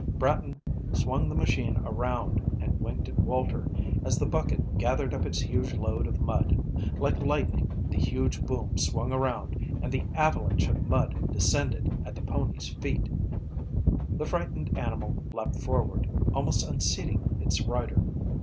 Bratton swung the machine around, and winked at Walter, as the bucket gathered up its huge load of mud. Like lightning the huge boom swung around, and the avalanche of mud descended at the pony's feet. The frightened animal leaped forward, almost unseating its rider.